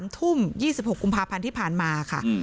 ๓ทุ่ม๒๖กุมภาพันธ์ที่ผ่านมาค่ะ